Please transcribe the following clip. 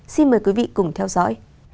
xin mời quý vị cùng theo dõi